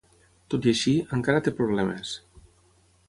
Tot i així, encara té problemes.